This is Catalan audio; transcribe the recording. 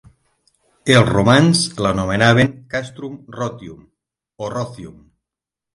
Els romans l'anomenaven "Castrum Rotium" o "Rocium".